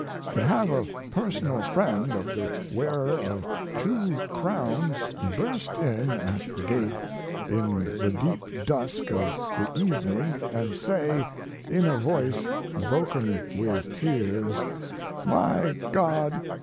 To have a personal friend of the wearer of two crowns burst in at the gate in the deep dusk of the evening & say, in a voice broken with tears, "My God!